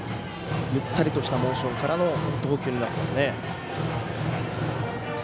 ゆったりとしたモーションからの投球になっていますね。